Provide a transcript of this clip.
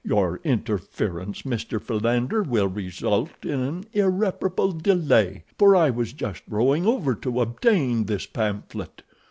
Your interference, Mr. Philander, will result in an irreparable delay, for I was just rowing over to obtain this pamphlet.